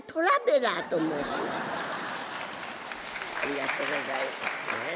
ありがとうございます。